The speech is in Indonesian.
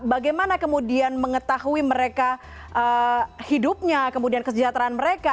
bagaimana kemudian mengetahui mereka hidupnya kemudian kesejahteraan mereka